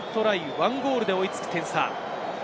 １ゴールで追い付く点差。